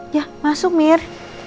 ya masuk mir